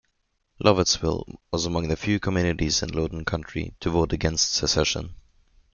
Lovettsville was also among the few communities in Loudoun County to vote against secession.